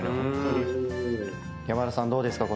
山田さんどうですか？